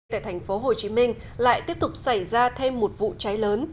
tại thành phố hồ chí minh lại tiếp tục xảy ra thêm một vụ cháy lớn